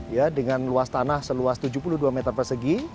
ya dengan luas tanah seluas tujuh puluh dua meter persegi